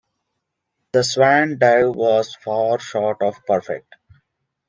The swan dive was far short of perfect.